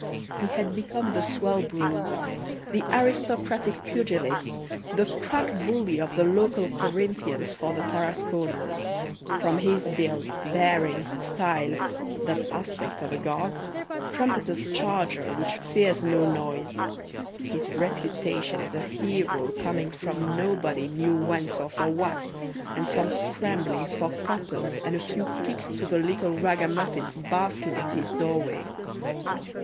He had become the swell bruiser, the aristocratic pugilist, the crack bully of the local Corinthians for the Tarasconers, from his build, bearing, style that aspect of a guard's trumpeter's charger which fears no noise; his reputation as a hero coming from nobody knew whence or for what, and some scramblings for coppers and a few kicks to the little ragamuffins basking at his doorway.